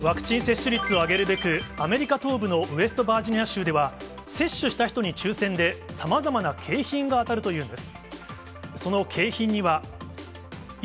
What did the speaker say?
ワクチン接種率を上げるべく、アメリカ東部のウエストバージニア州では、接種した人に抽せんで、さまざまな景品が当たるというんです。